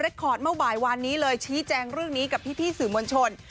คอร์ดเมื่อบ่ายวานนี้เลยชี้แจงเรื่องนี้กับพี่สื่อมวลชน